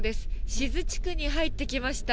志津地区に入ってきました。